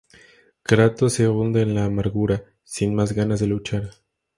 Kratos se hunde en la amargura, sin más ganas de luchar.